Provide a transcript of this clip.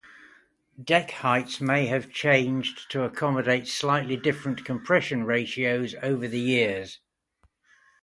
Deck heights may have changed to accommodate slightly different compression ratios over the years.